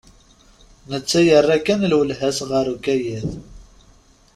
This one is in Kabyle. Netta yerra kan lwelha-s ɣer ukayad.